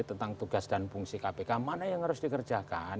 tentang tugas dan fungsi kpk mana yang harus dikerjakan